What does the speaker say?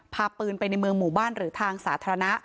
พาปืนไปในเมืองหมู่บ้านหรือทางสาธารณะ